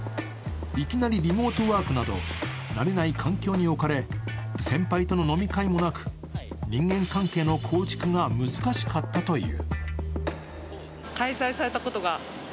いきなりリモートワークなど慣れない環境に置かれ先輩との飲み会もなく人間関係の構築が難しかったという。